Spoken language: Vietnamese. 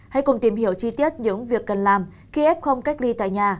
hãy cùng tìm hiểu chi tiết những việc cần làm khi f cách ly tại nhà